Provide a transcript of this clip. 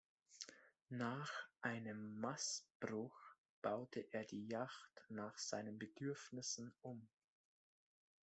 Nach einem Mastbruch baute er die Yacht nach seinen Bedürfnissen um.